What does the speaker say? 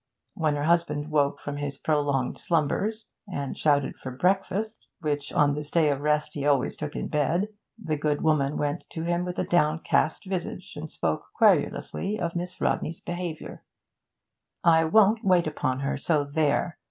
When her husband woke from his prolonged slumbers, and shouted for breakfast (which on this day of rest he always took in bed), the good woman went to him with downcast visage, and spoke querulously of Miss Rodney's behaviour. 'I won't wait upon her, so there!